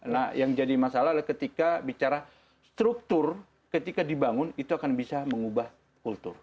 nah yang jadi masalah adalah ketika bicara struktur ketika dibangun itu akan bisa mengubah kultur